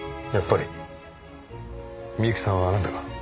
やっぱり美由紀さんはあなたが。